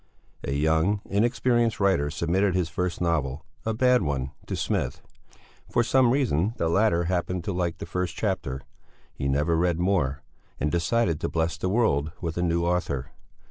A young, inexperienced writer submitted his first novel, a bad one, to Smith. For some reason the latter happened to like the first chapter he never read more and decided to bless the world with a new author.